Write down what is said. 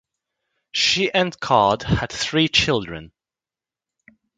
She and Card had three children.